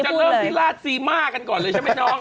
จะเริ่มที่ราชซีมากันก่อนเลยใช่ไหมน้อง